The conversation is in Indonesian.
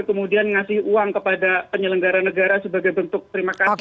kemudian ngasih uang kepada penyelenggara negara sebagai bentuk terima kasih